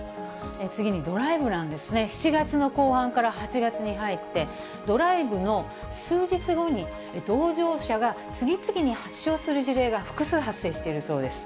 次にドライブなんですね、７月の後半から８月に入って、ドライブの数日後に同乗者が次々に発症する事例が複数発生しているそうです。